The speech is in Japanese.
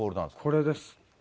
これです。